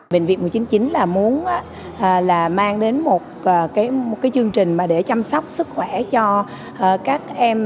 bệnh viện một trăm chín mươi chín là muốn là mang đến một cái chương trình mà để chăm sóc sức khỏe cho các em